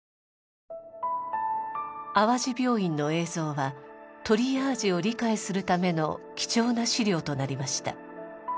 淡路病院の映像はトリアージを理解するための貴重な資料となりました。